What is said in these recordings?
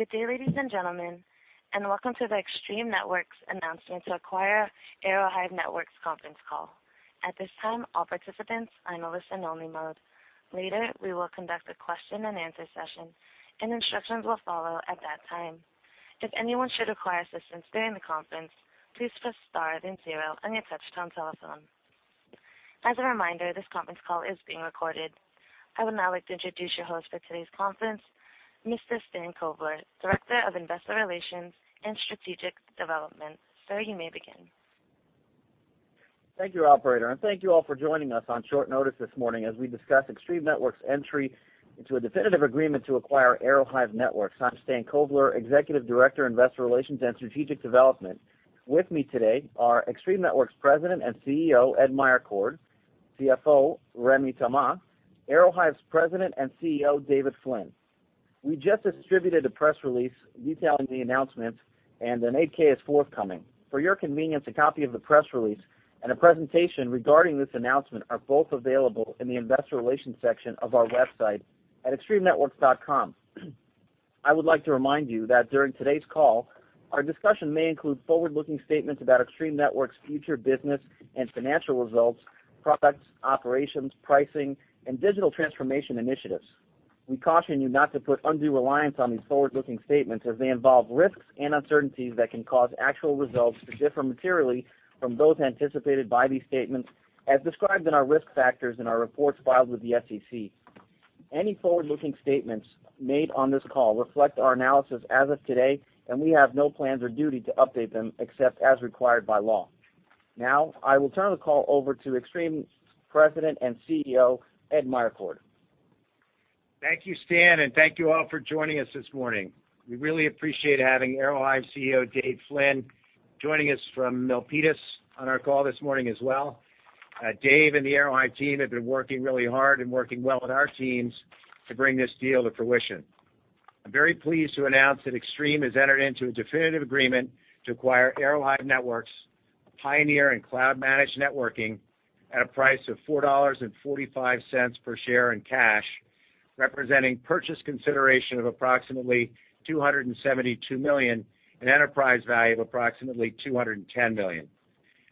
Good day, ladies and gentlemen, and welcome to the Extreme Networks announcement to acquire Aerohive Networks conference call. At this time, all participants are in listen-only mode. Later, we will conduct a question and answer session, and instructions will follow at that time. If anyone should require assistance during the conference, please press star then zero on your touch-tone telephone. As a reminder, this conference call is being recorded. I would now like to introduce your host for today's conference, Mr. Stan Kovler, Director of Investor Relations and Strategic Development. Sir, you may begin. Thank you, operator, thank you all for joining us on short notice this morning as we discuss Extreme Networks' entry into a definitive agreement to acquire Aerohive Networks. I'm Stan Kovler, Executive Director, Investor Relations and Strategic Development. With me today are Extreme Networks President and CEO, Ed Meyercord, CFO, Rémi Aerohive's President and CEO, David Flynn. We just distributed a press release detailing the announcement, an 8-K is forthcoming. For your convenience, a copy of the press release and a presentation regarding this announcement are both available in the investor relations section of our website at extremenetworks.com. I would like to remind you that during today's call, our discussion may include forward-looking statements about Extreme Networks' future business and financial results, products, operations, pricing, and digital transformation initiatives. We caution you not to put undue reliance on these forward-looking statements as they involve risks and uncertainties that can cause actual results to differ materially from those anticipated by these statements, as described in our risk factors in our reports filed with the SEC. Any forward-looking statements made on this call reflect our analysis as of today, we have no plans or duty to update them except as required by law. Now, I will turn the call over to Extreme's President and CEO, Ed Meyercord. Thank you, Stan, thank you all for joining us this morning. We really appreciate having Aerohive CEO, Dave Flynn, joining us from Milpitas on our call this morning as well. Dave and the Aerohive team have been working really hard and working well with our teams to bring this deal to fruition. I'm very pleased to announce that Extreme has entered into a definitive agreement to acquire Aerohive Networks, a pioneer in cloud-managed networking, at a price of $4.45 per share in cash, representing purchase consideration of approximately $272 million, an enterprise value of approximately $210 million.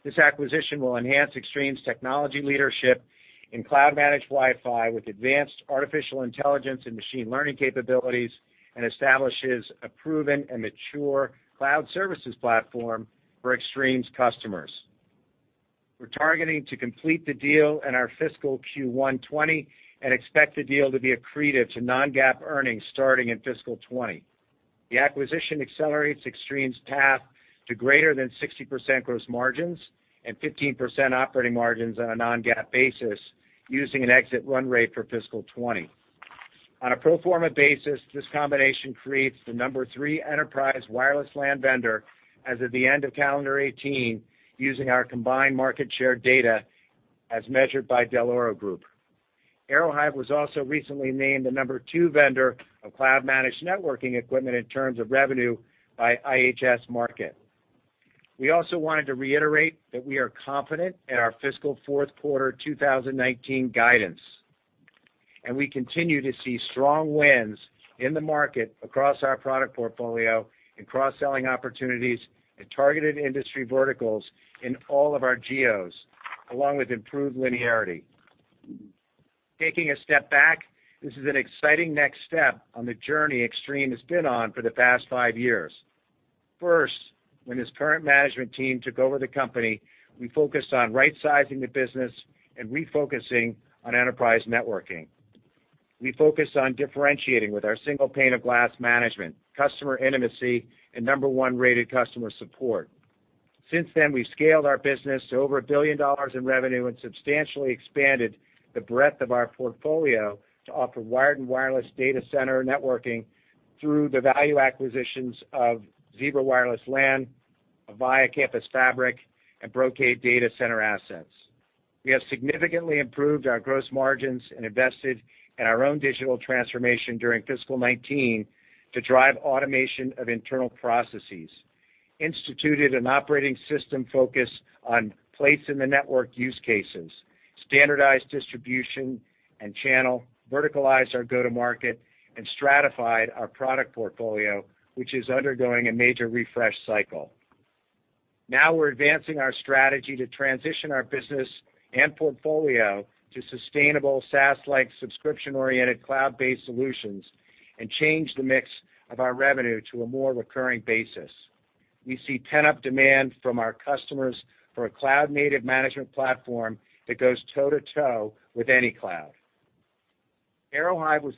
This acquisition will enhance Extreme's technology leadership in cloud-managed Wi-Fi with advanced artificial intelligence and machine learning capabilities, establishes a proven and mature cloud services platform for Extreme's customers. We're targeting to complete the deal in our fiscal Q1 2020 and expect the deal to be accretive to non-GAAP earnings starting in fiscal 2020. The acquisition accelerates Extreme's path to greater than 60% gross margins and 15% operating margins on a non-GAAP basis, using an exit run rate for fiscal 2020. On a pro forma basis, this combination creates the number three enterprise Wireless LAN vendor as of the end of calendar 2018, using our combined market share data as measured by Dell'Oro Group. Aerohive was also recently named the number two vendor of cloud-managed networking equipment in terms of revenue by IHS Markit. We also wanted to reiterate that we are confident in our fiscal fourth quarter 2019 guidance. We continue to see strong wins in the market across our product portfolio in cross-selling opportunities and targeted industry verticals in all of our geos, along with improved linearity. Taking a step back, this is an exciting next step on the journey Extreme has been on for the past five years. First, when this current management team took over the company, we focused on rightsizing the business and refocusing on enterprise networking. We focused on differentiating with our single pane of glass management, customer intimacy, and number one-rated customer support. Since then, we've scaled our business to over a billion dollars in revenue and substantially expanded the breadth of our portfolio to offer wired and wireless data center networking through the value acquisitions of Zebra Wireless LAN, Avaya Campus Fabric, and Brocade data center assets. We have significantly improved our gross margins and invested in our own digital transformation during fiscal 2019 to drive automation of internal processes, instituted an operating system focused on place in the network use cases, standardized distribution and channel, verticalized our go-to-market, and stratified our product portfolio, which is undergoing a major refresh cycle. We're advancing our strategy to transition our business and portfolio to sustainable SaaS-like subscription-oriented cloud-based solutions and change the mix of our revenue to a more recurring basis. We see pent-up demand from our customers for a cloud-native management platform that goes toe-to-toe with any cloud. Aerohive was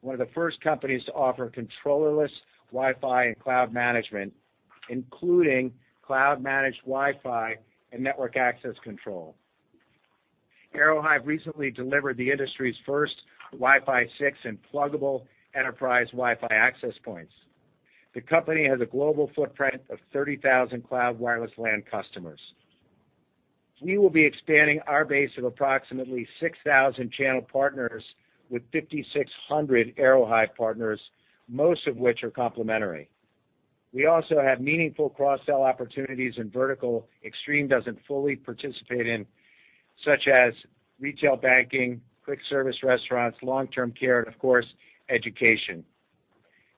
one of the first companies to offer controller-less Wi-Fi and cloud management, including cloud-managed Wi-Fi and network access control. Aerohive recently delivered the industry's first Wi-Fi 6 and pluggable enterprise Wi-Fi access points. The company has a global footprint of 30,000 cloud Wireless LAN customers. We will be expanding our base of approximately 6,000 channel partners with 5,600 Aerohive partners, most of which are complementary. We also have meaningful cross-sell opportunities in vertical Extreme doesn't fully participate in, such as retail banking, quick service restaurants, long-term care, and of course, education.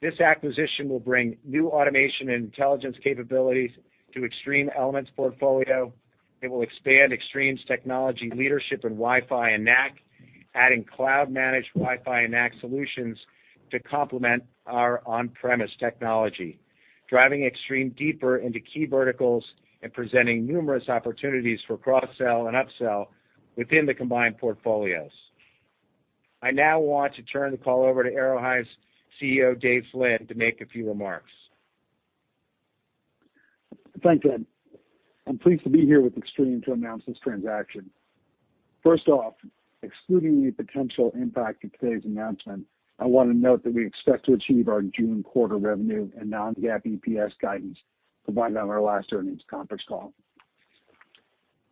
This acquisition will bring new automation and intelligence capabilities to Extreme Elements portfolio. It will expand Extreme's technology leadership in Wi-Fi and NAC, adding cloud-managed Wi-Fi and NAC solutions to complement our on-premise technology, driving Extreme deeper into key verticals and presenting numerous opportunities for cross-sell and up-sell within the combined portfolios. I now want to turn the call over to Aerohive's CEO, Dave Flynn, to make a few remarks. Thanks, Ed. I'm pleased to be here with Extreme to announce this transaction. First off, excluding the potential impact of today's announcement, I want to note that we expect to achieve our June quarter revenue and non-GAAP EPS guidance provided on our last earnings conference call.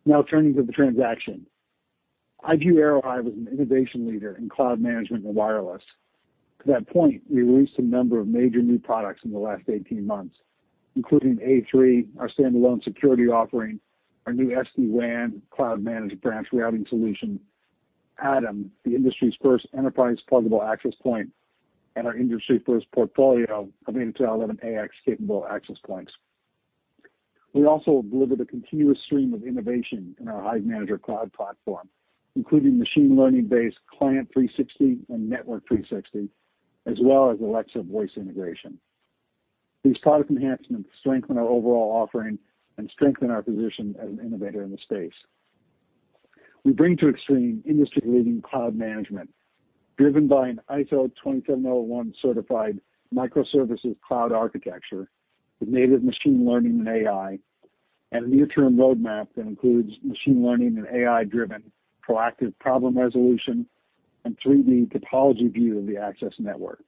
Now turning to the transaction. I view Aerohive as an innovation leader in cloud management and wireless. To that point, we released a number of major new products in the last 18 months, including A3, our standalone security offering, our new SD-WAN cloud-managed branch routing solution, Atom, the industry's first enterprise pluggable access point, and our industry first portfolio of 802.11ax capable access points. We also delivered a continuous stream of innovation in our HiveManager cloud platform, including machine learning-based Client 360 and Network 360, as well as Alexa voice integration. These product enhancements strengthen our overall offering and strengthen our position as an innovator in the space. We bring to Extreme industry-leading cloud management driven by an ISO 27001-certified microservices cloud architecture with native machine learning and AI, and a near-term roadmap that includes machine learning and AI-driven proactive problem resolution and 3D topology view of the access network.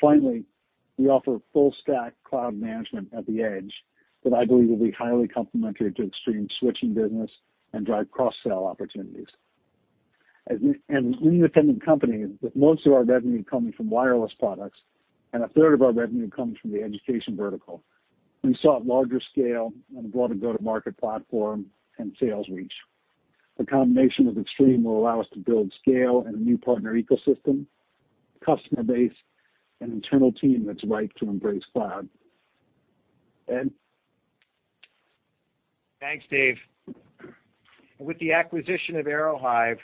Finally, we offer full-stack cloud management at the edge that I believe will be highly complementary to Extreme's switching business and drive cross-sell opportunities. As an independent company, with most of our revenue coming from wireless products and a third of our revenue coming from the education vertical, we sought larger scale and a broader go-to-market platform and sales reach. The combination with Extreme will allow us to build scale and a new partner ecosystem, customer base, and internal team that's ripe to embrace cloud. Ed. Thanks, Dave. With the acquisition of Aerohive,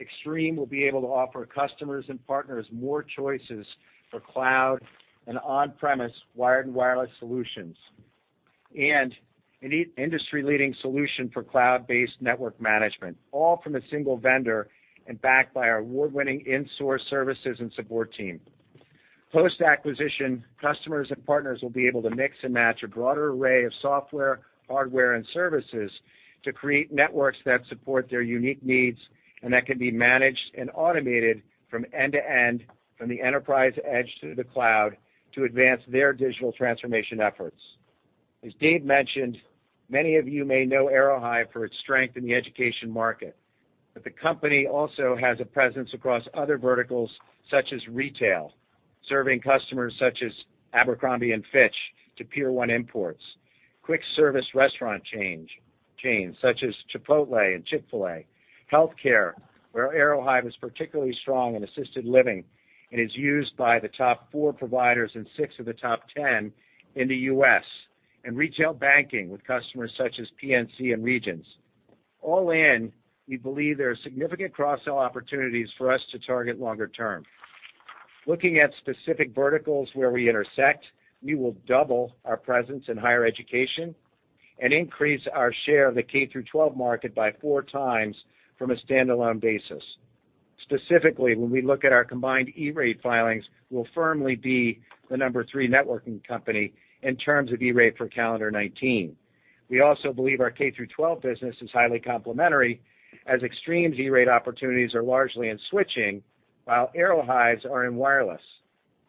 Extreme will be able to offer customers and partners more choices for cloud and on-premise wired and wireless solutions and an industry-leading solution for cloud-based network management, all from a single vendor and backed by our award-winning in-source services and support team. Post-acquisition, customers and partners will be able to mix and match a broader array of software, hardware, and services to create networks that support their unique needs and that can be managed and automated from end to end, from the enterprise edge to the cloud to advance their digital transformation efforts. As Dave mentioned, many of you may know Aerohive for its strength in the education market, but the company also has a presence across other verticals such as retail, serving customers such as Abercrombie & Fitch to Pier 1 Imports; quick service restaurant chains such as Chipotle and Chick-fil-A; healthcare, where Aerohive is particularly strong in assisted living and is used by the top four providers and six of the top 10 in the U.S.; and retail banking with customers such as PNC and Regions. All in, we believe there are significant cross-sell opportunities for us to target longer term. Looking at specific verticals where we intersect, we will double our presence in higher education and increase our share of the K-12 market by four times from a standalone basis. Specifically, when we look at our combined E-Rate filings, we'll firmly be the number 3 networking company in terms of E-Rate for calendar 2019. We also believe our K-12 business is highly complementary, as Extreme's E-Rate opportunities are largely in switching, while Aerohive's are in Wireless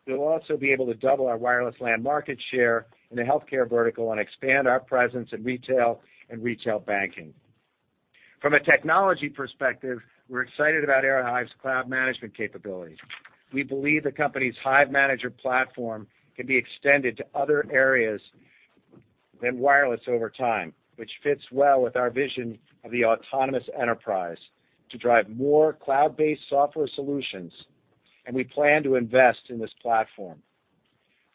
LAN. We'll also be able to double our Wireless LAN market share in the healthcare vertical and expand our presence in retail and retail banking. From a technology perspective, we're excited about Aerohive's cloud management capability. We believe the company's HiveManager platform can be extended to other areas than wireless over time, which fits well with our vision of the autonomous enterprise to drive more cloud-based software solutions, and we plan to invest in this platform.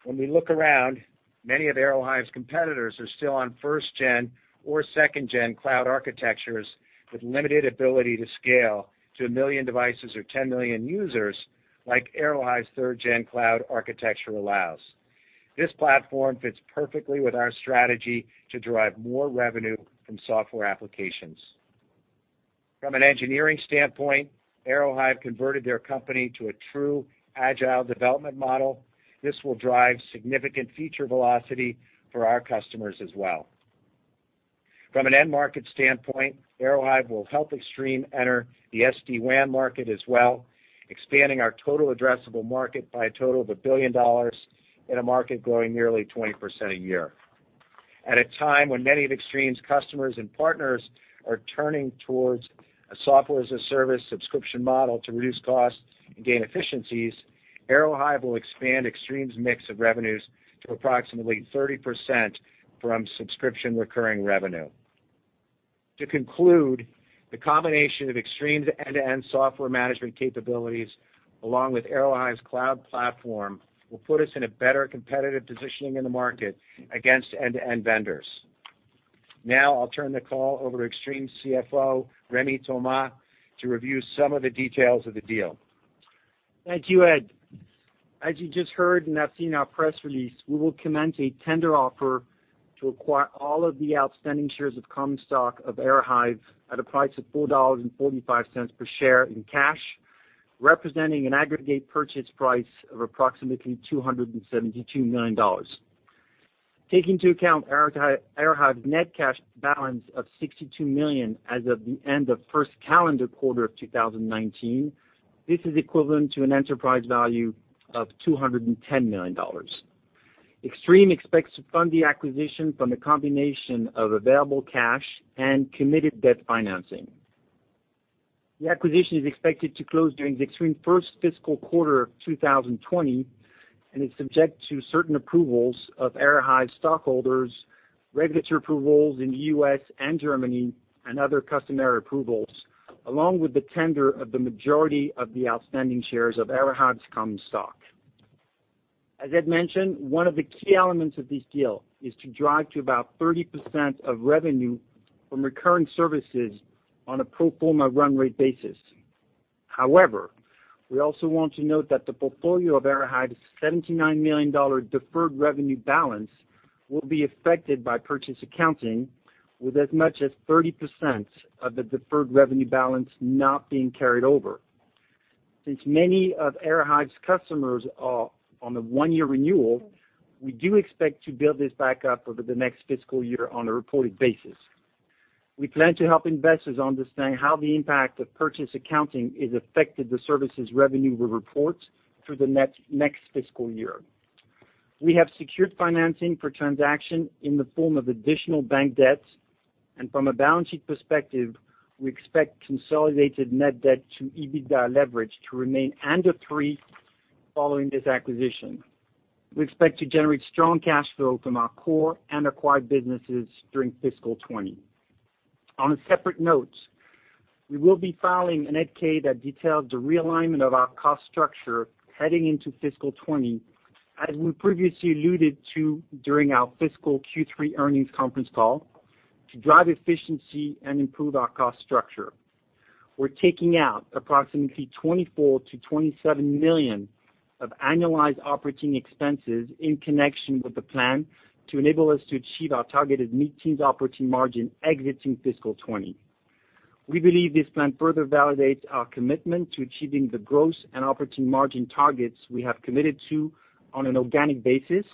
When we look around, many of Aerohive's competitors are still on first-gen or second-gen cloud architectures with limited ability to scale to 1 million devices or 10 million users, like Aerohive's third-gen cloud architecture allows. This platform fits perfectly with our strategy to drive more revenue from software applications. From an engineering standpoint, Aerohive converted their company to a true Agile development model. This will drive significant feature velocity for our customers as well. From an end market standpoint, Aerohive will help Extreme enter the SD-WAN market as well, expanding our total addressable market by a total of $1 billion in a market growing nearly 20% a year. At a time when many of Extreme's customers and partners are turning towards a software-as-a-service subscription model to reduce costs and gain efficiencies, Aerohive will expand Extreme's mix of revenues to approximately 30% from subscription recurring revenue. To conclude, the combination of Extreme's end-to-end software management capabilities, along with Aerohive's cloud platform, will put us in a better competitive positioning in the market against end-to-end vendors. Now, I'll turn the call over to Extreme's CFO, Rémi Thomas, to review some of the details of the deal. Thank you, Ed. As you just heard, have seen our press release, we will commence a tender offer to acquire all of the outstanding shares of common stock of Aerohive at a price of $4.45 per share in cash, representing an aggregate purchase price of approximately $272 million. Taking into account Aerohive's net cash balance of $62 million as of the end of first calendar quarter of 2019, this is equivalent to an enterprise value of $210 million. Extreme expects to fund the acquisition from the combination of available cash and committed debt financing. The acquisition is expected to close during Extreme's first fiscal quarter of 2020, and is subject to certain approvals of Aerohive stockholders, regulatory approvals in the U.S. and Germany, and other customary approvals, along with the tender of the majority of the outstanding shares of Aerohive's common stock. As Ed mentioned, one of the key elements of this deal is to drive to about 30% of revenue from recurring services on a pro forma run rate basis. However, we also want to note that the portfolio of Aerohive's $79 million deferred revenue balance will be affected by purchase accounting with as much as 30% of the deferred revenue balance not being carried over. Since many of Aerohive's customers are on the one-year renewal, we do expect to build this back up over the next fiscal year on a reported basis. We plan to help investors understand how the impact of purchase accounting has affected the services revenue we report through the next fiscal year. We have secured financing for transaction in the form of additional bank debts, and from a balance sheet perspective, we expect consolidated net debt to EBITDA leverage to remain under three following this acquisition. We expect to generate strong cash flow from our core and acquired businesses during fiscal 2020. On a separate note, we will be filing an 8-K that details the realignment of our cost structure heading into fiscal 2020, as we previously alluded to during our fiscal Q3 earnings conference call, to drive efficiency and improve our cost structure. We're taking out approximately $24 million-$27 million of annualized operating expenses in connection with the plan, to enable us to achieve our targeted mid-teens operating margin exiting fiscal 2020. We believe this plan further validates our commitment to achieving the gross and operating margin targets we have committed to on an organic basis.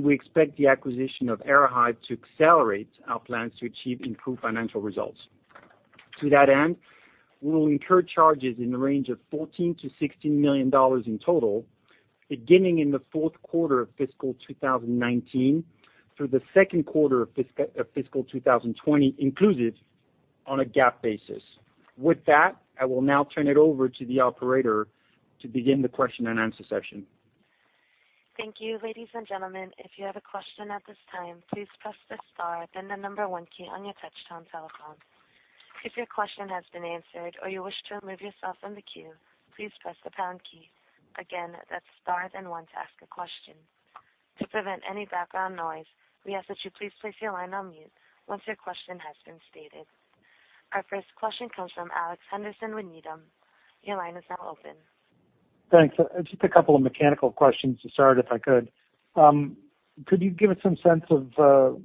We expect the acquisition of Aerohive to accelerate our plans to achieve improved financial results. To that end, we will incur charges in the range of $14 million-$16 million in total, beginning in the fourth quarter of fiscal 2019 through the second quarter of fiscal 2020 inclusive, on a GAAP basis. With that, I will now turn it over to the operator to begin the question and answer session. Thank you. Ladies and gentlemen, if you have a question at this time, please press the star then the number one key on your touchtone telephone. If your question has been answered or you wish to remove yourself from the queue, please press the pound key. Again, that's star then one to ask a question. To prevent any background noise, we ask that you please place your line on mute once your question has been stated. Our first question comes from Alex Henderson with Needham. Your line is now open. Thanks. Just a couple of mechanical questions to start, if I could. Could you give us some sense of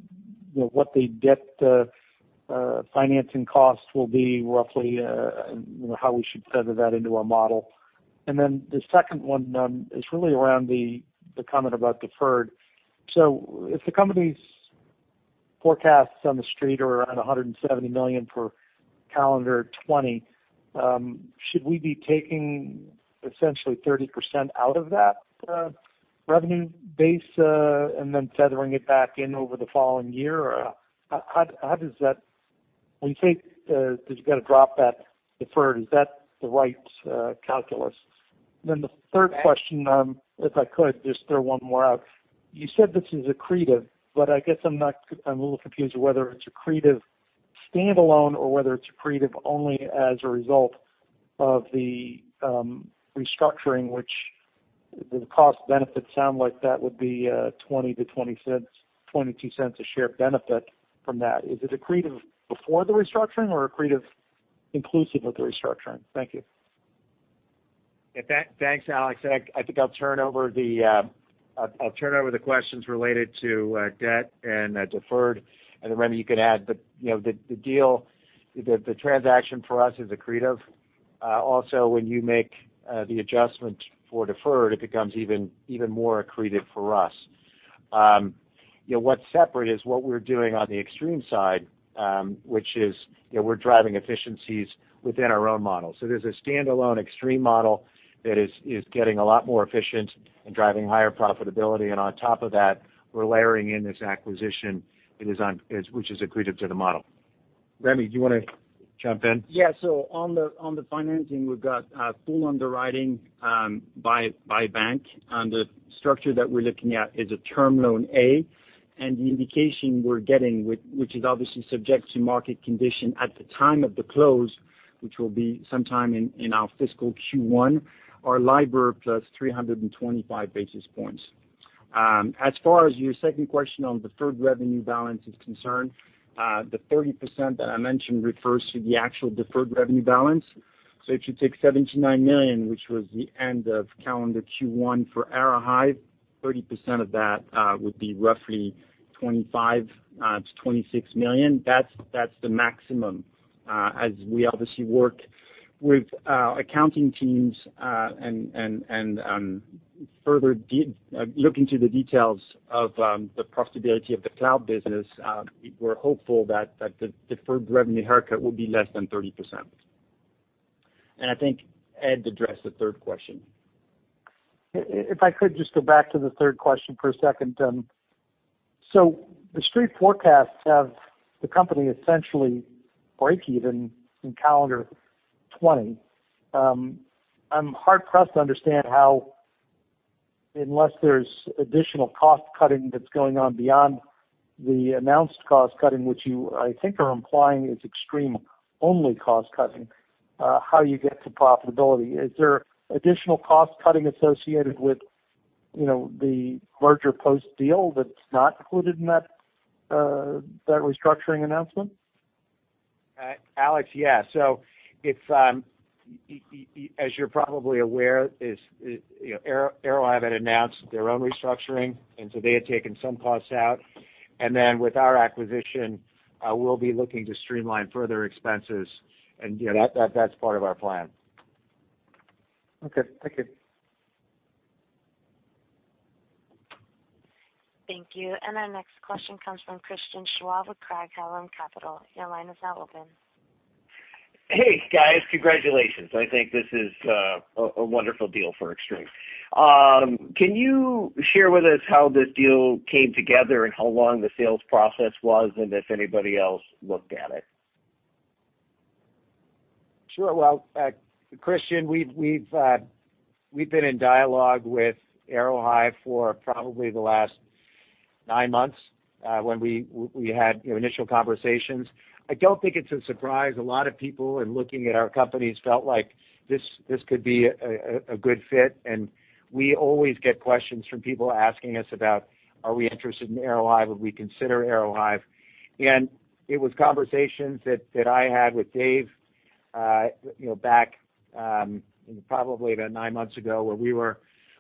what the debt financing cost will be roughly, and how we should feather that into our model? The second one is really around the comment about deferred. If the company's forecasts on the street are around $170 million for calendar 2020, should we be taking essentially 30% out of that revenue base, and then feathering it back in over the following year? When you say that you've got to drop that deferred, is that the right calculus? The third question, if I could just throw one more out. You said this is accretive, I guess I'm a little confused whether it's accretive standalone or whether it's accretive only as a result of the restructuring, which the cost benefits sound like that would be $0.20 to $0.22 a share benefit from that. Is it accretive before the restructuring or accretive inclusive of the restructuring? Thank you. Thanks, Alex. I think I'll turn over the questions related to debt and deferred, then Rémi, you can add. The transaction for us is accretive. Also, when you make the adjustment for deferred, it becomes even more accretive for us. What's separate is what we're doing on the Extreme side, which is we're driving efficiencies within our own model. There's a standalone Extreme model that is getting a lot more efficient and driving higher profitability. On top of that, we're layering in this acquisition, which is accretive to the model. Rémi, do you want to jump in? Yeah. On the financing, we've got full underwriting by bank. The structure that we're looking at is a Term Loan A, the indication we're getting, which is obviously subject to market condition at the time of the close, which will be sometime in our fiscal Q1, are LIBOR plus 325 basis points. As far as your second question on deferred revenue balance is concerned, the 30% that I mentioned refers to the actual deferred revenue balance. If you take $79 million, which was the end of calendar Q1 for Aerohive, 30% of that would be roughly $25 million-$26 million. That's the maximum. As we obviously work with accounting teams, and further look into the details of the profitability of the cloud business, we're hopeful that the deferred revenue haircut will be less than 30%. I think Ed addressed the third question. If I could just go back to the third question for a second. The Street forecasts have the company essentially breakeven in calendar 2020. I'm hard-pressed to understand how, unless there's additional cost-cutting that's going on beyond the announced cost-cutting, which you, I think are implying is Extreme only cost-cutting, how you get to profitability. Is there additional cost-cutting associated with the larger post-deal that's not included in that restructuring announcement? Alex, yeah. As you're probably aware, Aerohive had announced their own restructuring, and so they had taken some costs out. With our acquisition, we'll be looking to streamline further expenses, and that's part of our plan. Okay. Thank you. Thank you. Our next question comes from Christian Schwab with Craig-Hallum Capital. Your line is now open. Hey, guys. Congratulations. I think this is a wonderful deal for Extreme. Can you share with us how this deal came together and how long the sales process was, and if anybody else looked at it? Sure. Christian, we've been in dialogue with Aerohive for probably the last nine months, when we had initial conversations. I don't think it's a surprise. A lot of people in looking at our companies felt like this could be a good fit, we always get questions from people asking us about, are we interested in Aerohive? Would we consider Aerohive? It was conversations that I had with Dave back probably about nine months ago, where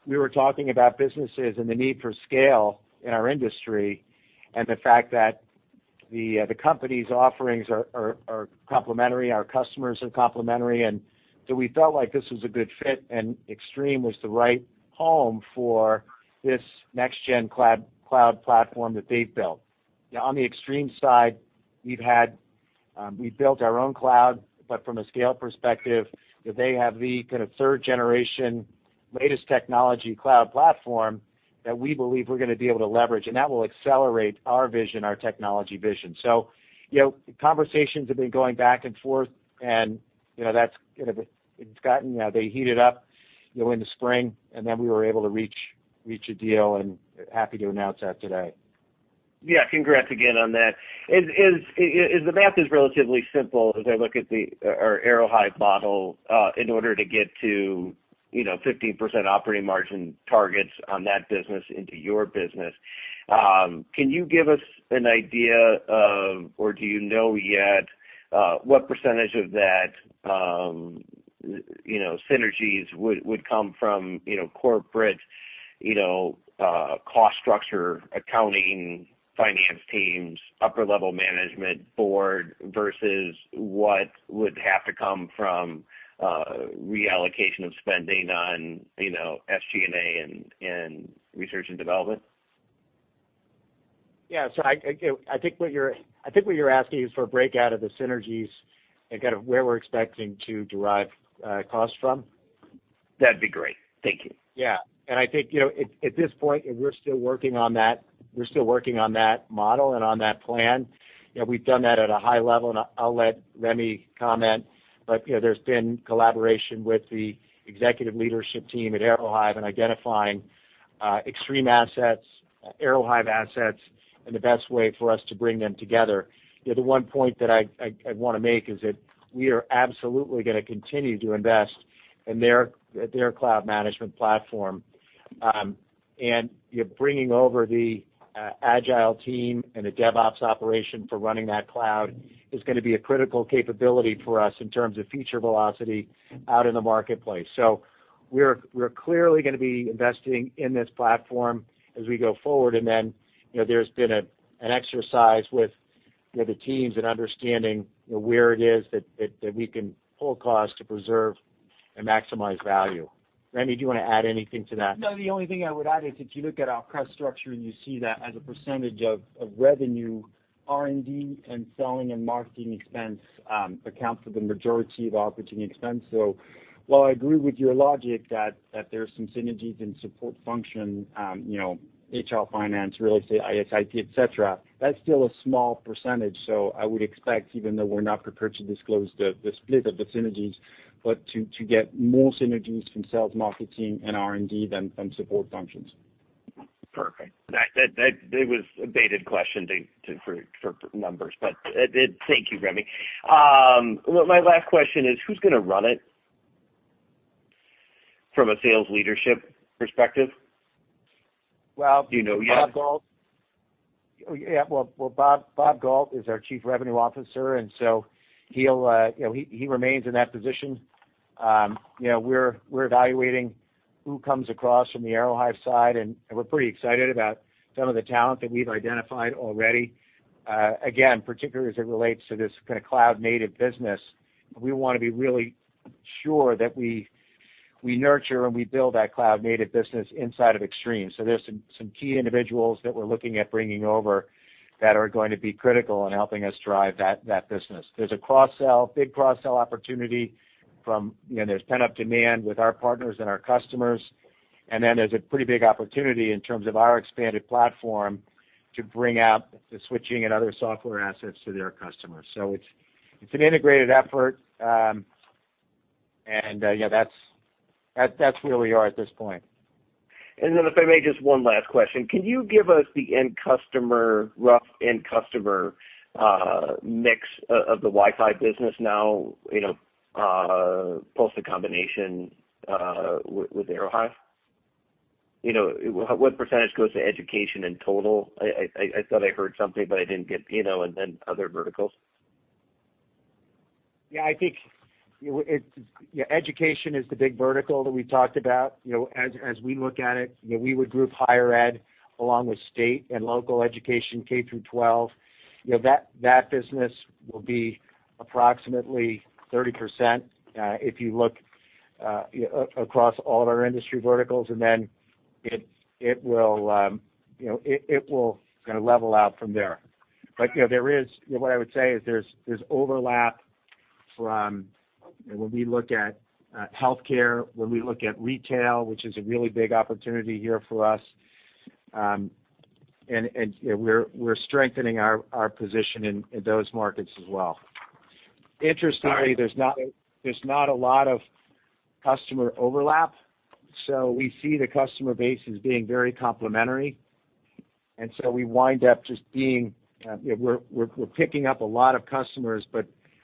we were talking about businesses and the need for scale in our industry, the fact that the company's offerings are complementary, our customers are complementary. We felt like this was a good fit and Extreme was the right home for this next-gen cloud platform that they've built. On the Extreme side, we've built our own cloud. From a scale perspective, they have the kind of third-generation, latest technology cloud platform that we believe we're going to be able to leverage, and that will accelerate our vision, our technology vision. Conversations have been going back and forth, and they heated up in the spring, and then we were able to reach a deal, and happy to announce that today. Yeah. Congrats again on that. As the math is relatively simple as I look at our Aerohive model, in order to get to 15% operating margin targets on that business into your business, can you give us an idea of, or do you know yet, what percentage of that synergies would come from corporate cost structure, accounting, finance teams, upper-level management, board, versus what would have to come from reallocation of spending on SG&A and research and development? Yeah. I think what you're asking is for a breakout of the synergies and kind of where we're expecting to derive costs from? That'd be great. Thank you. I think, at this point, we're still working on that model and on that plan. We've done that at a high level, and I'll let Rémi comment. There's been collaboration with the executive leadership team at Aerohive in identifying Extreme assets, Aerohive assets, and the best way for us to bring them together. The one point that I want to make is that we are absolutely going to continue to invest in their cloud management platform. Bringing over the Agile team and a DevOps operation for running that cloud is going to be a critical capability for us in terms of future velocity out in the marketplace. We're clearly going to be investing in this platform as we go forward. Then, there's been an exercise with the teams in understanding where it is that we can pull cost to preserve and maximize value. Rémi, do you want to add anything to that? No, the only thing I would add is if you look at our cost structure and you see that as a percentage of revenue, R&D and selling and marketing expense accounts for the majority of operating expense. While I agree with your logic that there's some synergies in support function, HR, finance, real estate, IS/IT, et cetera, that's still a small percentage. I would expect, even though we're not prepared to disclose the split of the synergies, but to get more synergies from sales marketing and R&D than from support functions. Perfect. That was a baited question for numbers, thank you, Rémi. My last question is, who's going to run it from a sales leadership perspective? Do you know yet? Well, Bob Gault is our Chief Revenue Officer. He remains in that position. We're evaluating who comes across from the Aerohive side. We're pretty excited about some of the talent that we've identified already. Again, particularly as it relates to this kind of cloud-native business, we want to be really sure that we nurture and we build that cloud-native business inside of Extreme. There's some key individuals that we're looking at bringing over that are going to be critical in helping us drive that business. There's a big cross-sell opportunity. There's pent-up demand with our partners and our customers. There's a pretty big opportunity in terms of our expanded platform to bring out the switching and other software assets to their customers. It's an integrated effort. That's where we are at this point. If I may, just one last question. Can you give us the rough end customer mix of the Wi-Fi business now, post the combination with Aerohive? What % goes to education in total? I thought I heard something. Other verticals. Yeah, I think education is the big vertical that we talked about. As we look at it, we would group higher ed along with state and local education, K through 12. That business will be approximately 30% if you look across all of our industry verticals. It will level out from there. What I would say is there's overlap from when we look at healthcare, when we look at retail, which is a really big opportunity here for us. We're strengthening our position in those markets as well. Interestingly, there's not a lot of customer overlap. We see the customer base as being very complementary. We wind up we're picking up a lot of customers.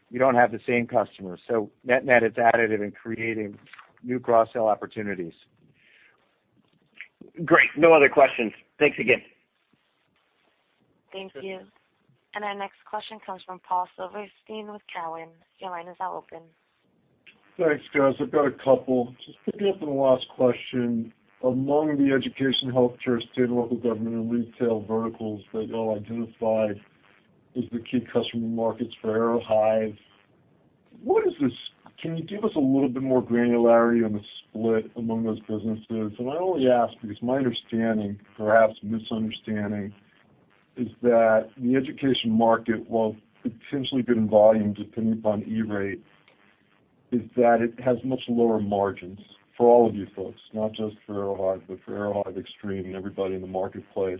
We don't have the same customers. Net, it's additive in creating new cross-sell opportunities. Great. No other questions. Thanks again. Thank you. Our next question comes from Paul Silverstein with Cowen. Your line is now open. Thanks, guys. I've got a couple. Just picking up on the last question, among the education, healthcare, state and local government, and retail verticals that you all identified as the key customer markets for Aerohive, can you give us a little bit more granularity on the split among those businesses? I only ask because my understanding, perhaps misunderstanding, is that the education market, while potentially good in volume, depending upon E-Rate, is that it has much lower margins for all of you folks, not just for Aerohive, but for Extreme, and everybody in the marketplace.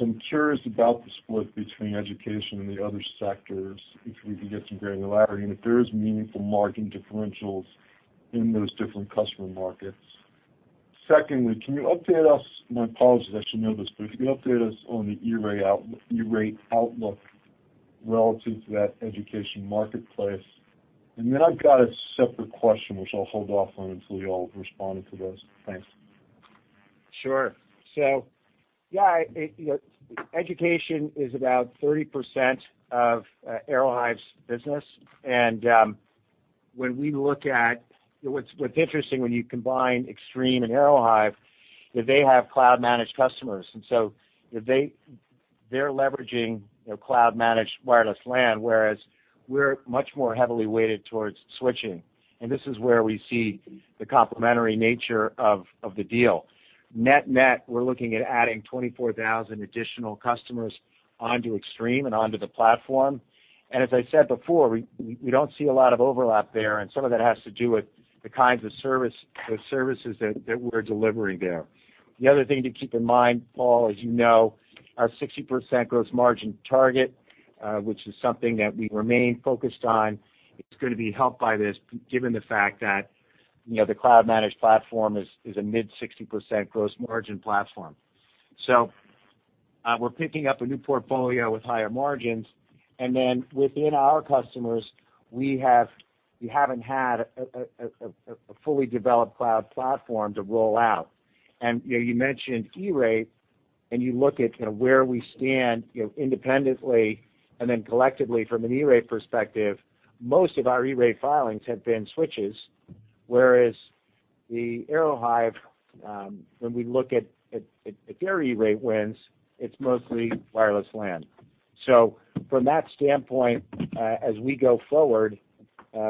I'm curious about the split between education and the other sectors, if we could get some granularity, and if there is meaningful margin differentials in those different customer markets. Secondly, can you update us, my apologies, I should know this, but can you update us on the E-Rate outlook relative to that education marketplace? I've got a separate question, which I'll hold off on until you all have responded to those. Thanks. Sure. Yeah, education is about 30% of Aerohive's business, and what's interesting when you combine Extreme and Aerohive, that they have cloud-managed customers, and so they're leveraging their cloud-managed Wireless LAN, whereas we're much more heavily weighted towards switching. This is where we see the complementary nature of the deal. Net, we're looking at adding 24,000 additional customers onto Extreme and onto the platform. As I said before, we don't see a lot of overlap there, and some of that has to do with the kinds of services that we're delivering there. The other thing to keep in mind, Paul, as you know, our 60% gross margin target, which is something that we remain focused on, is going to be helped by this, given the fact that the cloud-managed platform is a mid-60% gross margin platform. We're picking up a new portfolio with higher margins, within our customers, we haven't had a fully developed cloud platform to roll out. You mentioned E-Rate, you look at where we stand independently and then collectively from an E-Rate perspective, most of our E-Rate filings have been switches, whereas the Aerohive, when we look at their E-Rate wins, it's mostly Wireless LAN. From that standpoint, as we go forward,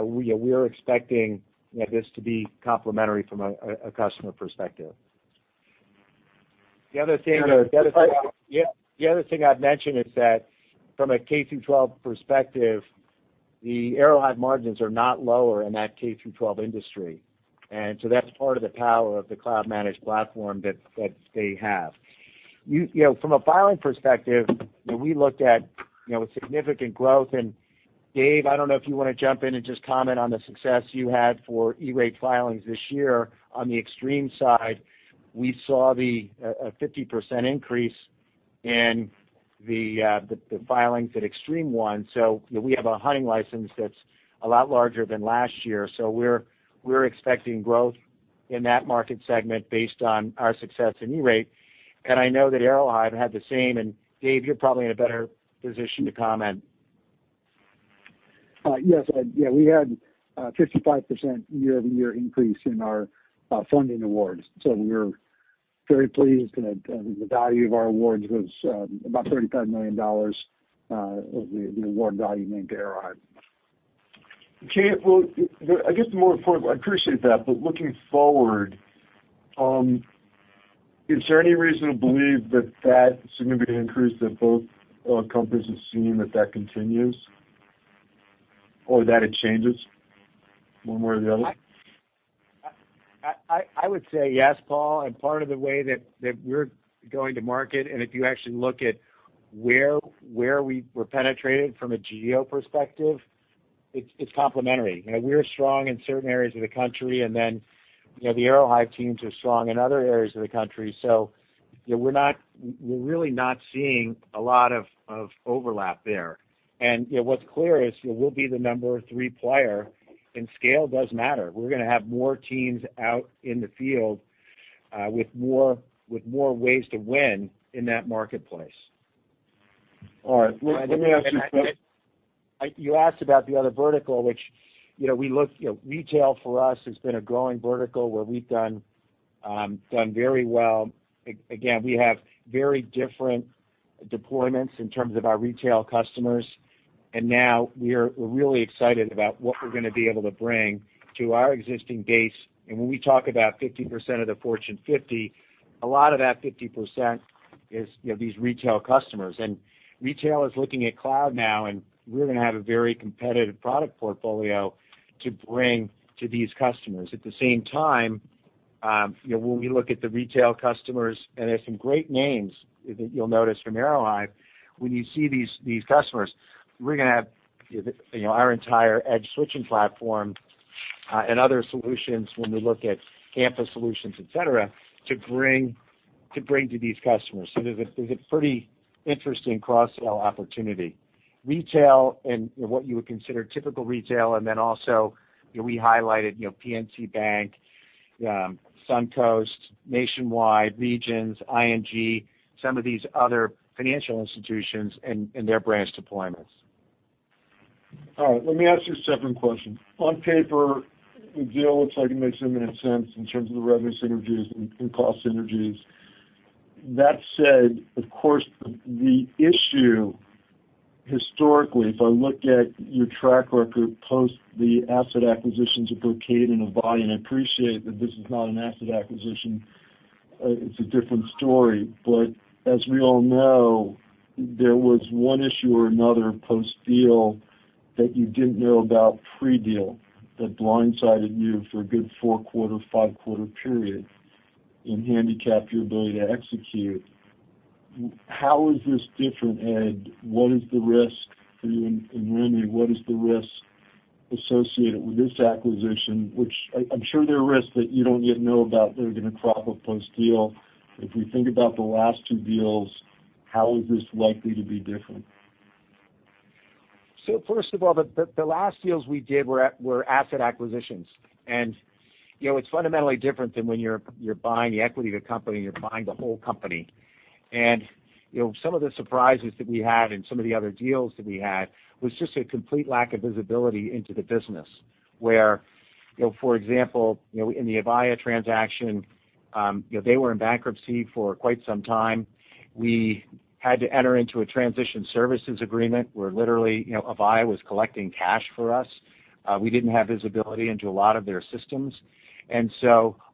we are expecting this to be complementary from a customer perspective. The other thing I'd mention is that from a K-12 perspective, the Aerohive margins are not lower in that K-12 industry. That's part of the power of the cloud-managed platform that they have. From a filing perspective, we looked at significant growth. Dave, I don't know if you want to jump in and just comment on the success you had for E-Rate filings this year. On the Extreme side, we saw a 50% increase in the filings that Extreme won. We have a hunting license that's a lot larger than last year. We're expecting growth in that market segment based on our success in E-Rate. I know that Aerohive had the same, Dave, you're probably in a better position to comment. Yes, Ed. We had a 55% year-over-year increase in our funding awards. We're very pleased that the value of our awards was about $35 million of the award value linked to Aerohive. Okay. Well, I appreciate that. Looking forward, is there any reason to believe that that significant increase that both companies have seen, that continues? Or that it changes one way or the other? I would say yes, Paul, and part of the way that we're going to market, and if you actually look at where we're penetrated from a geo perspective, it's complementary. We're strong in certain areas of the country, and then the Aerohive teams are strong in other areas of the country. We're really not seeing a lot of overlap there. What's clear is we'll be the number three player, and scale does matter. We're going to have more teams out in the field with more ways to win in that marketplace. All right. Let me ask you- You asked about the other vertical, which retail for us has been a growing vertical where we've done very well. Again, we have very different deployments in terms of our retail customers, and now we're really excited about what we're going to be able to bring to our existing base. When we talk about 50% of the Fortune 50, a lot of that 50% is these retail customers. Retail is looking at cloud now, and we're going to have a very competitive product portfolio to bring to these customers. At the same time, when we look at the retail customers, and there's some great names that you'll notice from Aerohive, when you see these customers, we're going to have our entire Edge switching platform and other solutions when we look at campus solutions, et cetera, to bring to these customers. There's a pretty interesting cross-sell opportunity. Retail and what you would consider typical retail, also, we highlighted PNC Bank, Suncoast, Nationwide, Regions, ING, some of these other financial institutions and their branch deployments. All right. Let me ask you a second question. On paper, the deal looks like it makes eminent sense in terms of the revenue synergies and cost synergies. As we all know, there was one issue or another post-deal that you didn't know about pre-deal that blindsided you for a good four-quarter, five-quarter period and handicapped your ability to execute. How is this different, Ed? What is the risk for you and Rémi? What is the risk associated with this acquisition, which I'm sure there are risks that you don't yet know about that are going to crop up post-deal. If we think about the last two deals, how is this likely to be different? First of all, the last deals we did were asset acquisitions. It's fundamentally different than when you're buying the equity of the company, you're buying the whole company. Some of the surprises that we had and some of the other deals that we had was just a complete lack of visibility into the business, where, for example, in the Avaya transaction, they were in bankruptcy for quite some time. We had to enter into a transition services agreement where literally, Avaya was collecting cash for us. We didn't have visibility into a lot of their systems.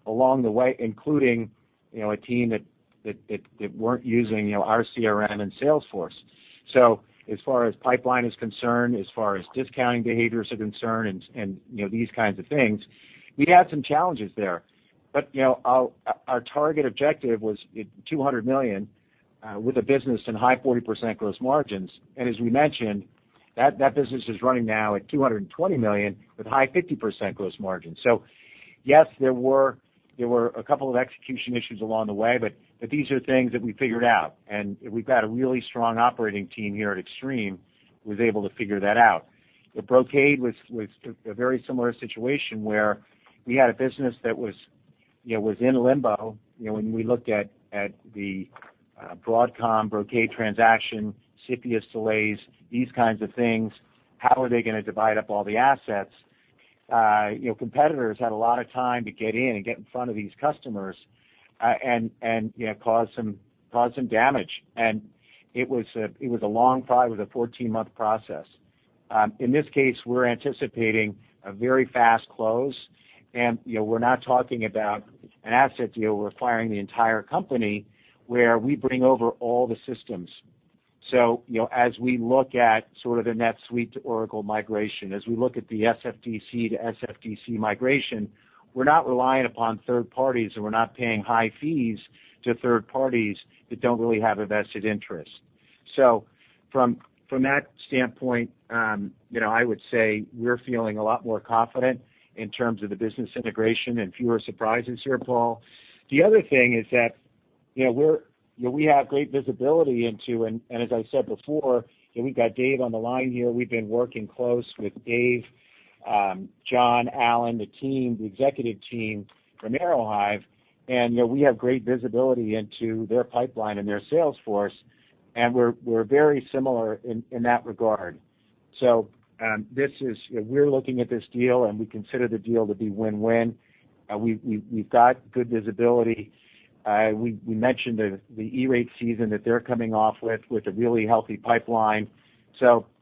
Along the way, including a team that weren't using our CRM and Salesforce. As far as pipeline is concerned, as far as discounting behaviors are concerned and these kinds of things, we had some challenges there. Our target objective was $200 million with a business and high 40% gross margins. As we mentioned, that business is running now at $220 million with high 50% gross margins. Yes, there were a couple of execution issues along the way, but these are things that we figured out, and we've got a really strong operating team here at Extreme, who was able to figure that out. With Brocade was a very similar situation where we had a business that was in limbo. When we looked at the Broadcom-Brocade transaction, CFIUS delays, these kinds of things, how are they going to divide up all the assets? Competitors had a lot of time to get in and get in front of these customers, and cause some damage. It was a long, probably was a 14-month process. In this case, we're anticipating a very fast close, we're not talking about an asset deal. We're acquiring the entire company where we bring over all the systems. As we look at sort of the NetSuite to Oracle migration, as we look at the SFDC to SFDC migration, we're not relying upon third parties, and we're not paying high fees to third parties that don't really have a vested interest. From that standpoint, I would say we're feeling a lot more confident in terms of the business integration and fewer surprises here, Paul. The other thing is that we have great visibility into, and as I said before, we've got Dave on the line here. We've been working close with Dave, John, Alan, the team, the executive team from Aerohive, we have great visibility into their pipeline and their sales force, and we're very similar in that regard. We're looking at this deal, and we consider the deal to be win-win. We've got good visibility. We mentioned the E-Rate season that they're coming off with a really healthy pipeline. From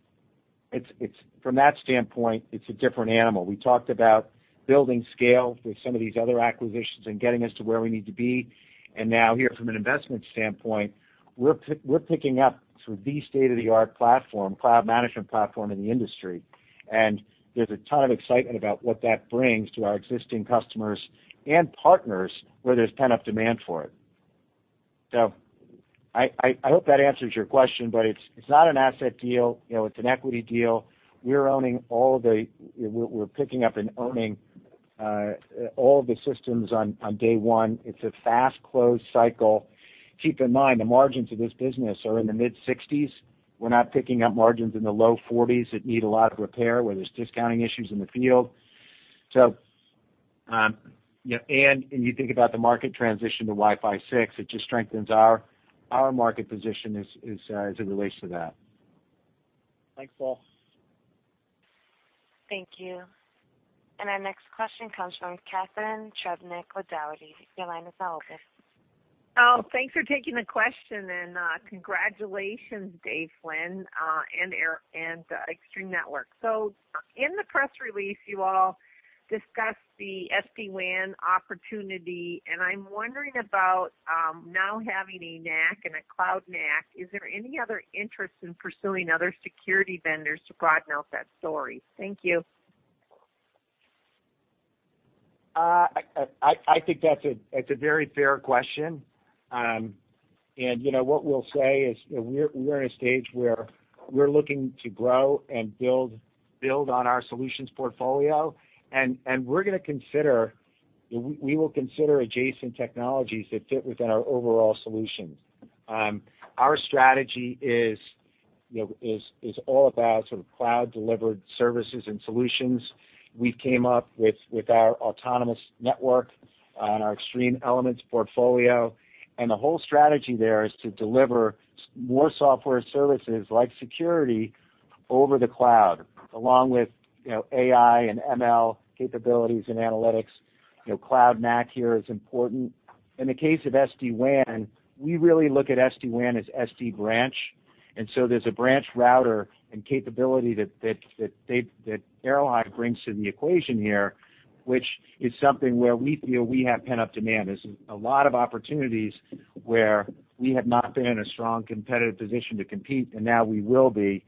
that standpoint, it's a different animal. We talked about building scale with some of these other acquisitions and getting us to where we need to be. Now here from an investment standpoint, we're picking up sort of the state-of-the-art platform, cloud management platform in the industry. There's a ton of excitement about what that brings to our existing customers and partners, where there's pent-up demand for it. I hope that answers your question, it's not an asset deal. It's an equity deal. We're picking up and owning all of the systems on day one. It's a fast close cycle. Keep in mind, the margins of this business are in the mid-60s. We're not picking up margins in the low 40s that need a lot of repair, where there's discounting issues in the field. You think about the market transition to Wi-Fi 6, it just strengthens our market position as it relates to that. Thanks, Paul. Thank you. Our next question comes from Catharine Trebnick with Dougherty. Your line is now open. Oh, thanks for taking the question, and congratulations, Dave Flynn and Extreme Networks. In the press release, you all discussed the SD-WAN opportunity, and I'm wondering about now having a NAC and a Cloud NAC, is there any other interest in pursuing other security vendors to broaden out that story? Thank you. I think that's a very fair question. What we'll say is we're in a stage where we're looking to grow and build on our solutions portfolio. We will consider adjacent technologies that fit within our overall solutions. Our strategy is all about sort of cloud-delivered services and solutions. We came up with our autonomous network and our Extreme Elements portfolio. The whole strategy there is to deliver more software services like security over the cloud, along with AI and ML capabilities and analytics. Cloud NAC here is important. In the case of SD-WAN, we really look at SD-WAN as SD-Branch. So there's a branch router and capability that Aerohive brings to the equation here, which is something where we feel we have pent-up demand. There's a lot of opportunities where we have not been in a strong competitive position to compete, and now we will be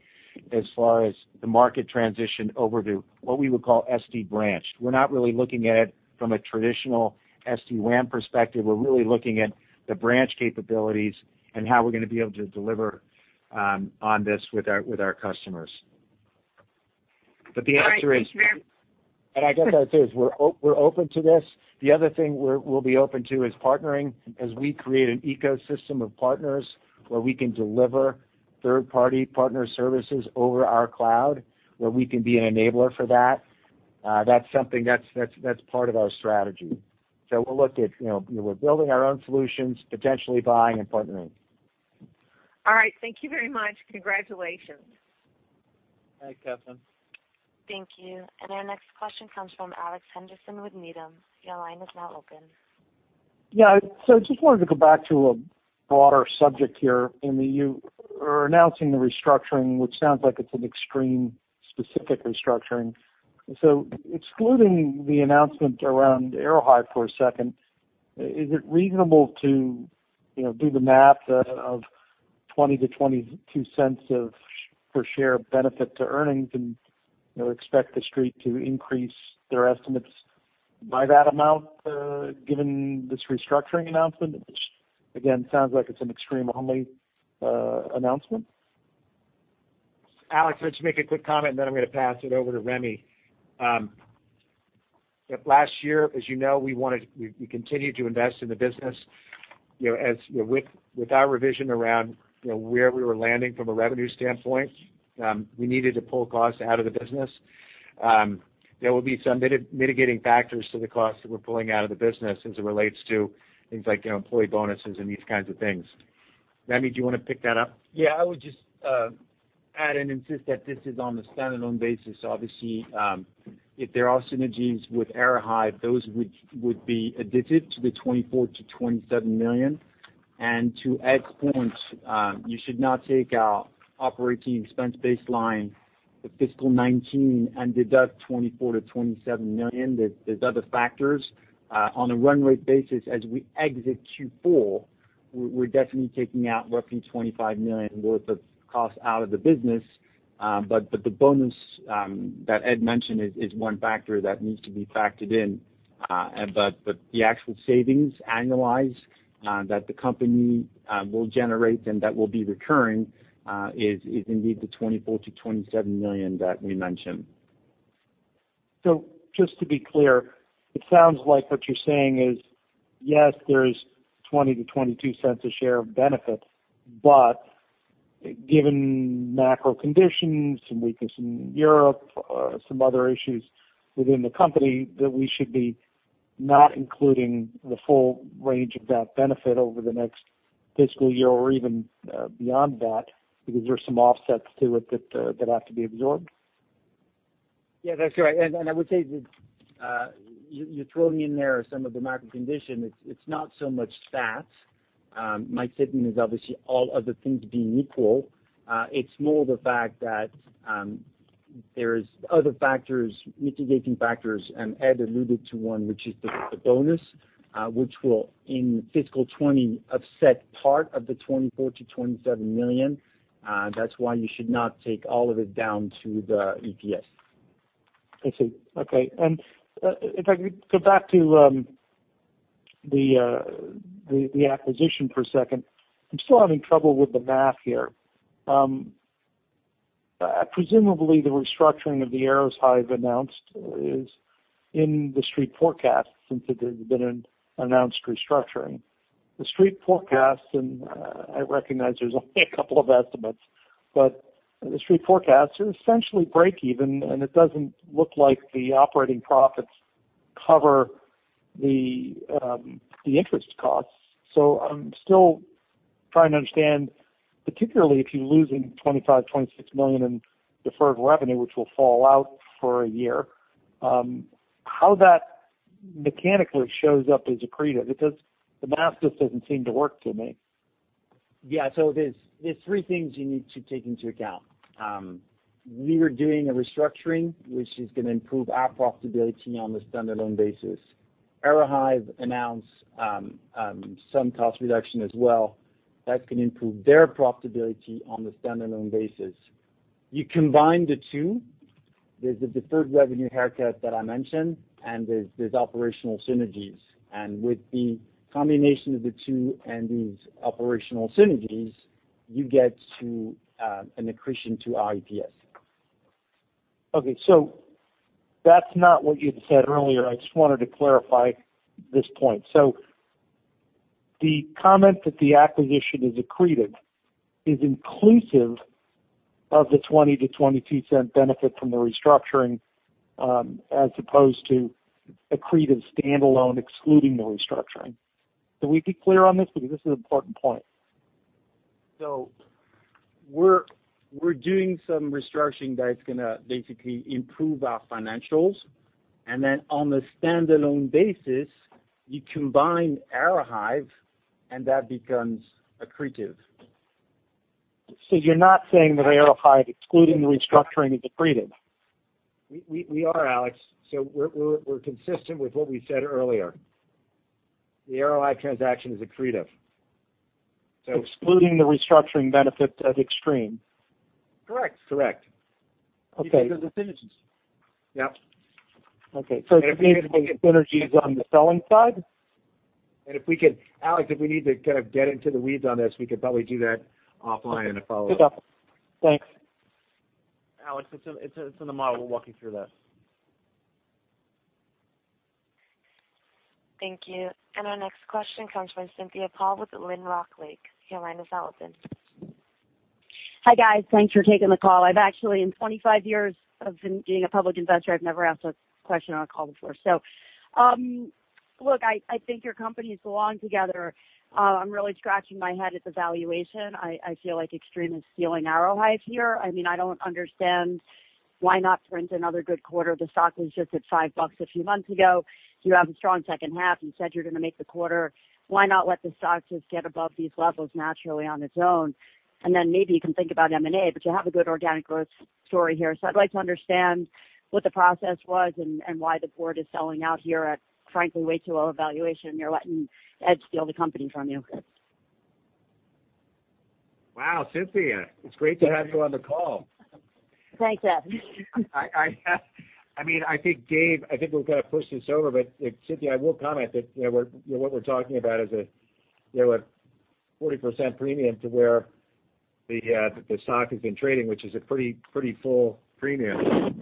as far as the market transition over to what we would call SD-Branch. We're not really looking at it from a traditional SD-WAN perspective. We're really looking at the branch capabilities and how we're going to be able to deliver on this with our customers. The answer is. All right. Thank you. I guess I'd say is we're open to this. The other thing we'll be open to is partnering as we create an ecosystem of partners where we can deliver third-party partner services over our cloud, where we can be an enabler for that. That's something that's part of our strategy. We'll look at, we're building our own solutions, potentially buying and partnering. All right. Thank you very much. Congratulations. Thanks, Catharine. Thank you. Our next question comes from Alex Henderson with Needham. Your line is now open. Yeah. Just wanted to go back to a broader subject here in that you are announcing the restructuring, which sounds like it's an Extreme-specific restructuring. Excluding the announcement around Aerohive for a second, is it reasonable to do the math of $0.20-$0.22 of per share benefit to earnings and expect the Street to increase their estimates by that amount given this restructuring announcement? Which, again, sounds like it's an Extreme-only announcement. Alex, let me just make a quick comment, then I'm going to pass it over to Rémi. Last year, as you know, we continued to invest in the business. With our revision around where we were landing from a revenue standpoint, we needed to pull cost out of the business. There will be some mitigating factors to the cost that we're pulling out of the business as it relates to things like employee bonuses and these kinds of things. Rémi, do you want to pick that up? Yeah, I would just add and insist that this is on a standalone basis. Obviously, if there are synergies with Aerohive, those would be additive to the $24 million-$27 million. To Ed's point, you should not take our operating expense baseline for fiscal 2019 and deduct $24 million-$27 million. There's other factors. On a run rate basis, as we exit Q4, we're definitely taking out roughly $25 million worth of cost out of the business. The bonus that Ed mentioned is one factor that needs to be factored in. The actual savings, annualized, that the company will generate and that will be recurring, is indeed the $24 million-$27 million that we mentioned. Just to be clear, it sounds like what you're saying is, yes, there's $0.20-$0.22 a share of benefit, but given macro conditions, some weakness in Europe, some other issues within the company, that we should be not including the full range of that benefit over the next fiscal year or even beyond that, because there's some offsets to it that have to be absorbed. Yeah, that's correct. I would say that you're throwing in there some of the macro condition. It's not so much that. My statement is obviously all other things being equal. It's more the fact that there's other mitigating factors, and Ed alluded to one, which is the bonus, which will, in fiscal 2020, offset part of the $24 million-$27 million. That's why you should not take all of it down to the EPS. I see. Okay. If I could go back to the acquisition for a second. I'm still having trouble with the math here. Presumably, the restructuring of the Aerohive announced is in the Street forecast since it had been an announced restructuring. The Street forecast, and I recognize there's only a couple of estimates, but the Street forecast is essentially breakeven, and it doesn't look like the operating profits cover the interest costs. I'm still trying to understand, particularly if you're losing $25 million-$26 million in deferred revenue, which will fall out for a year, how that mechanically shows up as accretive, because the math just doesn't seem to work to me. Yeah. There's three things you need to take into account. We were doing a restructuring, which is going to improve our profitability on the standalone basis. Aerohive announced some cost reduction as well. That's going to improve their profitability on the standalone basis. You combine the two. There's the deferred revenue haircut that I mentioned, and there's operational synergies. With the combination of the two and these operational synergies, you get to an accretion to our EPS. Okay. That's not what you'd said earlier. I just wanted to clarify this point. The comment that the acquisition is accretive is inclusive of the $0.20-$0.22 benefit from the restructuring, as opposed to accretive standalone, excluding the restructuring. Can we be clear on this? Because this is an important point. We're doing some restructuring that's going to basically improve our financials. On the standalone basis, you combine Aerohive, and that becomes accretive. You're not saying that Aerohive, excluding the restructuring, is accretive. We are, Alex. We're consistent with what we said earlier. The Aerohive transaction is accretive. Excluding the restructuring benefit of Extreme? Correct. Correct. Okay. Because of synergies. Yep. Okay. It's mainly the synergies on the selling side? Alex, if we need to kind of get into the weeds on this, we could probably do that offline in a follow-up. Good talk. Thanks. Alex, it's in the model. We'll walk you through that. Thank you. Our next question comes from Cynthia Paul with Lynrock Lake LP. Your line is open. Hi, guys. Thanks for taking the call. I've actually, in 25 years of being a public investor, I've never asked a question on a call before. Look, I think your companies belong together. I'm really scratching my head at the valuation. I feel like Extreme is stealing Aerohive here. I don't understand why not sprint another good quarter. The stock was just at $5 a few months ago. You have a strong second half. You said you're going to make the quarter. Then maybe you can think about M&A. You have a good organic growth story here. I'd like to understand what the process was and why the board is selling out here at, frankly, way too low a valuation. You're letting Ed steal the company from you. Wow, Cynthia, it's great to have you on the call. Thanks, Ed. I think we'll kind of push this over, Cynthia, I will comment that what we're talking about is a 40% premium to where the stock has been trading, which is a pretty full premium.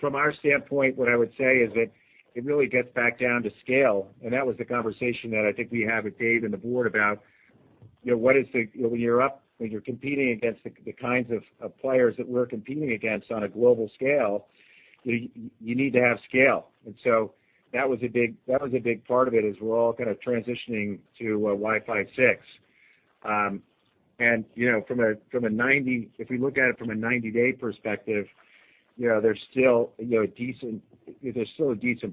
From our standpoint, what I would say is that it really gets back down to scale. That was the conversation that I think we had with Dave and the board about. When you're competing against the kinds of players that we're competing against on a global scale, you need to have scale. That was a big part of it, as we're all kind of transitioning to Wi-Fi 6. If we look at it from a 90-day perspective, there's still a decent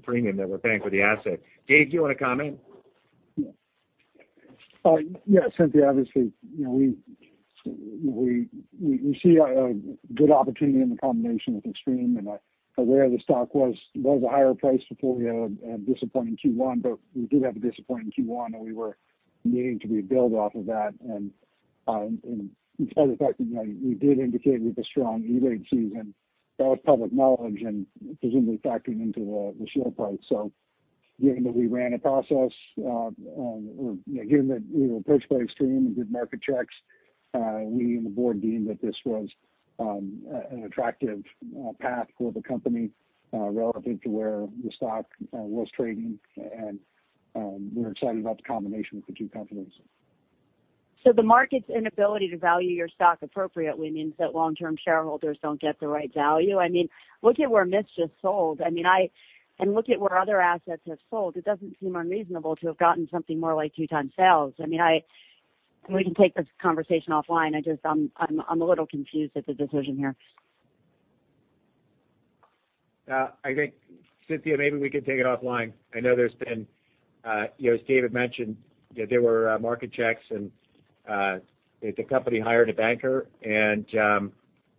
premium that we're paying for the asset. Dave, do you want to comment? Yeah. Cynthia, obviously, we see a good opportunity in the combination with Extreme and are aware the stock was a higher price before we had a disappointing Q1. We did have a disappointing Q1, and we were needing to rebuild off of that. In part of the fact that we did indicate we have a strong EOH season, that was public knowledge and presumably factored into the share price. Given that we ran a process, given that we were approached by Extreme and did market checks, we and the board deemed that this was an attractive path for the company, relative to where the stock was trading. We're excited about the combination with the two companies. The market's inability to value your stock appropriately means that long-term shareholders don't get the right value? Look at where Mist just sold, and look at where other assets have sold. It doesn't seem unreasonable to have gotten something more like 2x sales. We can take this conversation offline. I'm a little confused at the decision here. Cynthia, maybe we could take it offline. I know as David mentioned, there were market checks, the company hired a banker, and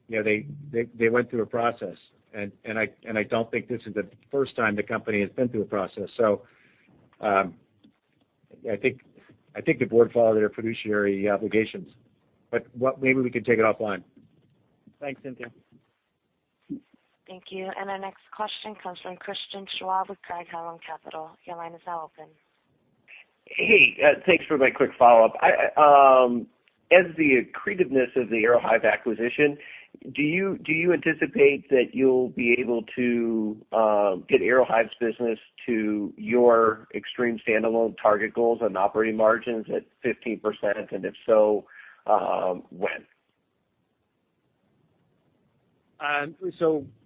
they went through a process. I don't think this is the first time the company has been through a process. I think the board followed their fiduciary obligations. Maybe we can take it offline. Thanks, Cynthia. Thank you. Our next question comes from Christian Schwab with Craig-Hallum Capital. Your line is now open. Thanks for my quick follow-up. As the accretiveness of the Aerohive acquisition, do you anticipate that you'll be able to get Aerohive's business to your Extreme standalone target goals on operating margins at 15%? If so, when?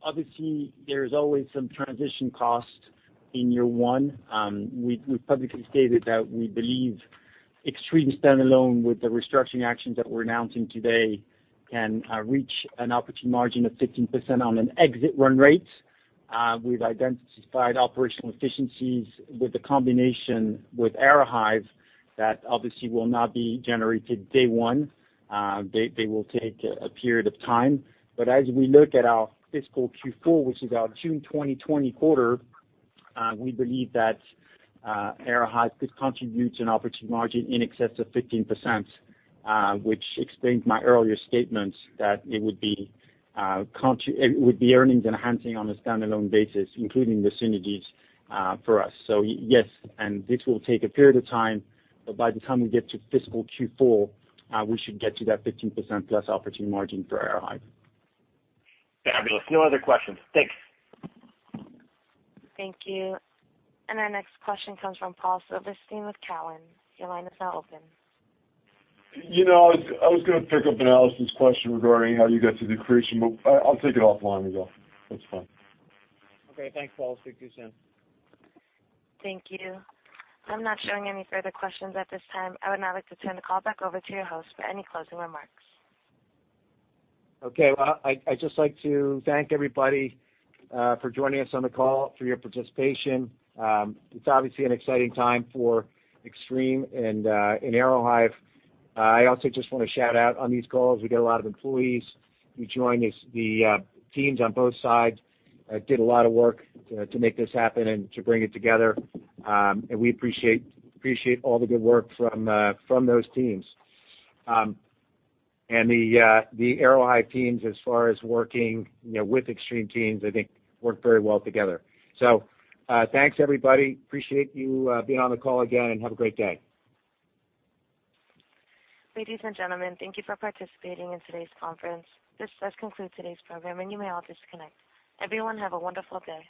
Obviously, there's always some transition cost in year one. We've publicly stated that we believe Extreme standalone with the restructuring actions that we're announcing today can reach an operating margin of 15% on an exit run rate. We've identified operational efficiencies with the combination with Aerohive that obviously will not be generated day one. They will take a period of time. As we look at our fiscal Q4, which is our June 2020 quarter, we believe that Aerohive could contribute an operating margin in excess of 15%, which explains my earlier statements that it would be earnings enhancing on a standalone basis, including the synergies for us. Yes, this will take a period of time, but by the time we get to fiscal Q4, we should get to that 15% plus operating margin for Aerohive. Fabulous. No other questions. Thanks. Thank you. Our next question comes from Paul Silverstein with Cowen. Your line is now open. I was going to pick up on Alex's question regarding how you got to the accretion. I'll take it offline with you all. That's fine. Okay. Thanks, Paul. Speak to you soon. Thank you. I'm not showing any further questions at this time. I would now like to turn the call back over to your host for any closing remarks. Okay. Well, I'd just like to thank everybody for joining us on the call, for your participation. It's obviously an exciting time for Extreme and Aerohive. I also just want to shout out on these calls, we get a lot of employees who join us. The teams on both sides did a lot of work to make this happen and to bring it together. We appreciate all the good work from those teams. The Aerohive teams, as far as working with Extreme teams, I think work very well together. Thanks everybody, appreciate you being on the call again, and have a great day. Ladies and gentlemen, thank you for participating in today's conference. This does conclude today's program. You may all disconnect. Everyone have a wonderful day.